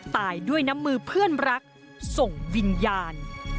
ตายด้วยน้ำมือเพื่อนรักส่งวิญญาณ